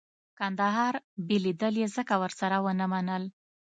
کندهار بېلېدل یې ځکه ورسره ونه منل.